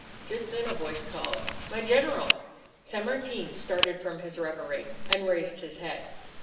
Just then a voice called: "My General!" San Martin started from his revery, and raised his head.